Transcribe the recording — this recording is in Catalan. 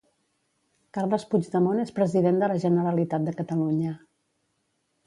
Carles Puigdemont és President de la Generalitat de Catalunya.